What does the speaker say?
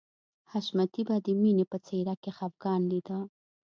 حشمتي به د مینې په څېره کې خفګان لیده